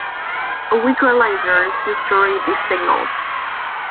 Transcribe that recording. A weaker laser is used to read these signals.